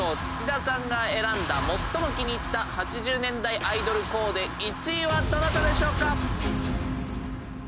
土田さんが選んだ最も気に入った８０年代アイドルコーデ１位はどなたでしょうか？